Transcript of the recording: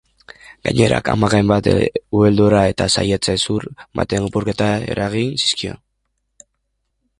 Gainera, amak hainbat ubeldura eta saihets-hezur baten apurketa eragin zizkion.